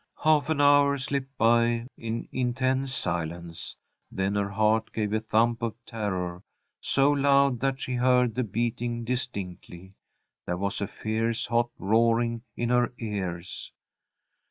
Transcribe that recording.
Half an hour slipped by in intense silence. Then her heart gave a thump of terror, so loud that she heard the beating distinctly. There was a fierce, hot roaring in her ears.